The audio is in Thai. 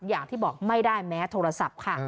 อย่างที่บอกไม่ได้แม้โทรศัพท์ค่ะ